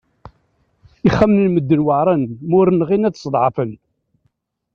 Ixxamen n medden weɛṛen ma ur nɣin ad sḍeɛfen!